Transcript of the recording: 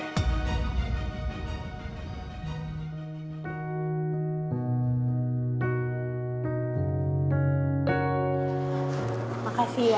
terima kasih ya